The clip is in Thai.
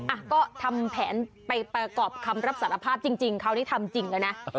อ่ะก็ทำแผนไปประกอบคำรับสารภาพจริงคราวนี้ทำจริงแล้วนะ